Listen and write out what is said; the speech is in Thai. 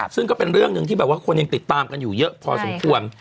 ซึ่งก็เป็นเรื่องหนึ่งที่แบบว่าคนยังติดตามกันอยู่เยอะพอสมควร